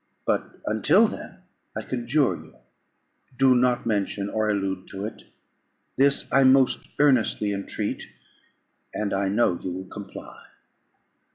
But until then, I conjure you, do not mention or allude to it. This I most earnestly entreat, and I know you will comply."